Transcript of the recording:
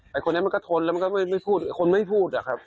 คนนั้นมันก็ทนแล้วมันก็ไม่พูดคนไม่พูดอะครับ